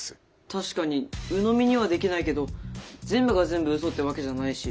確かにうのみにはできないけど全部が全部うそってわけじゃないし。